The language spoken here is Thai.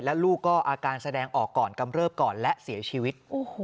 และลูกก็อาการแสดงออกก่อนกำเริบก่อนและเสียชีวิต